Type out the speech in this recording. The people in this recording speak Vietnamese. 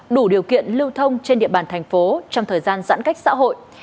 đủ điều kiện để tìm hiểu về vụ án này